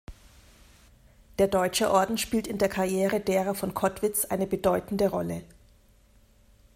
Der Deutsche Orden spielt in der Karriere derer von Kottwitz eine bedeutende Rolle.